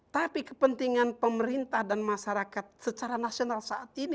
tapi kepentingan pemerintah dan masyarakat secara nasional saat ini